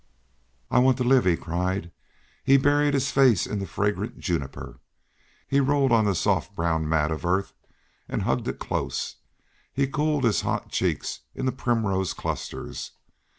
"I wanted to live!" he cried. He buried his face in the fragrant juniper; he rolled on the soft brown mat of earth and hugged it close; he cooled his hot cheeks in the primrose clusters.